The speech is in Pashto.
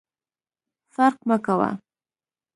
فرق مه کوه !